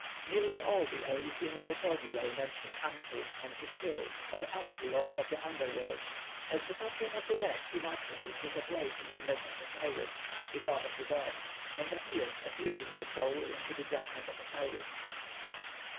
Nearly all the early funeral formulae mention Anpu on his hill, or Anpu lord of the underworld. As the patron of the dead he naturally took a place in the myth of Osiris, the god of the dead, and appears as leading the soul into the judgment of Osiris.